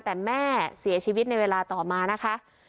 แต่แม่เสียชีวิตในเวลาต่อมานะคะ